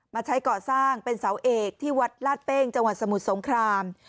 มาใช้ก่อสร้างเป็นเสาเอกที่วัดลาดเป้งจังหวัดสมุทรสงคราม